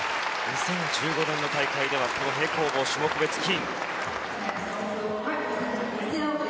２０１５年の大会では平行棒の種目別で金。